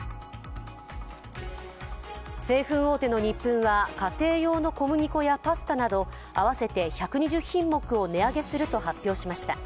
製粉大手のニップンは家庭用の小麦粉やパスタなど合わせて１２０品目を値上げすると発表しました。